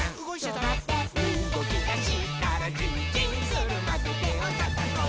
「とまってうごきだしたらヂンヂンするまでてをたたこう」